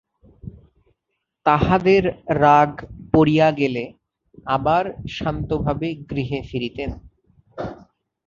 তাঁহাদের রাগ পড়িয়া গেলে আবার শান্তভবে গৃহে ফিরিতেন।